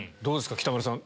北村さん